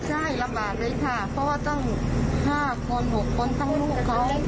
ใช่ลำบากเลยค่ะเพราะว่าต้อง๕คน๖คนทั้งลูกเขา